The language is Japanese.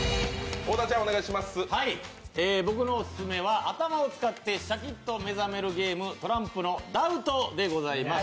僕のオススメは頭を使ってシャキッと目覚めるゲーム、トランプの「ダウト」でございます。